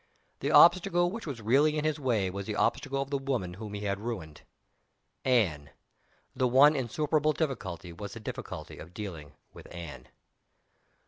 The obstacle which was really in his way was the obstacle of the woman whom he had ruined. Anne! The one insuperable difficulty was the difficulty of dealing with Anne.